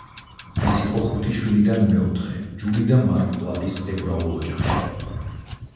ის იყო ხუთი შვილიდან მეოთხე ჯული და მარკ პლატის ებრაულ ოჯახში.